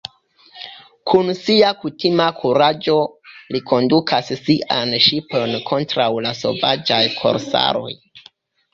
Kun sia kutima kuraĝo li kondukas siajn ŝipojn kontraŭ la sovaĝaj korsaroj.